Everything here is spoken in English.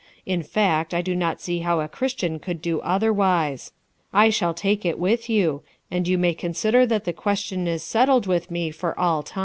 In fact I do not see how a Chris tian could do otherwise. I shall take it with you, and you may consider that the question is settled with mo for all time."